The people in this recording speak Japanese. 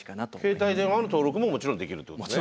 携帯電話の登録ももちろんできるということですね。